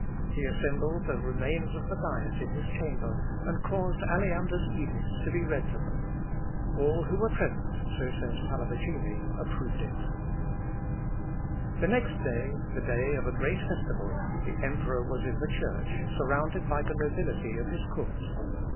He assembled the remains of the Diet in his chamber, and caused Aleander's edict to be read to them. All who were present, (so says Pallavicini,) approved it. [Sidenote: CHARLES SIGNS LUTHER'S CONDEMNATION.] The next day the day of a great festival the emperor was in the church, surrounded by the nobility of his court.